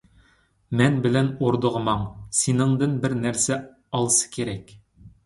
مەن بىلەن ئوردىغا ماڭ، سېنىڭدىن بىر نەرسە ئالسا كېرەك.